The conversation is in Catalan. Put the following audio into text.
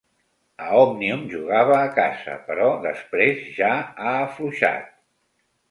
A Òmnium jugava a casa, però després ja ha afluixat.